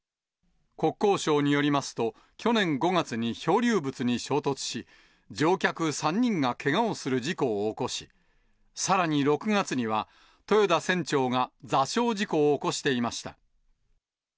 国交省によりますと、去年５月に漂流物に衝突し、乗客３人がけがをする事故を起こし、さらに６月には、豊田船長が座礁事故を起こしていました。